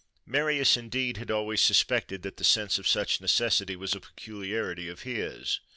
Marius, indeed, had always suspected that the sense of such necessity was a peculiarity of his.